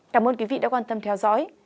cảm ơn quý vị đã quan tâm theo dõi